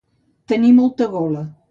Tenir molta gola.